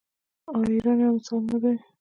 آیا ایران یو مثال نه دی؟